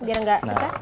biar gak pecah